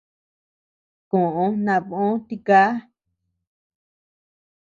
Koʼo nabö tika.